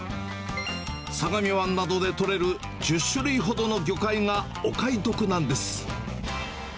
相模湾などで取れる１０種類ほどの魚介がお買い得なんです。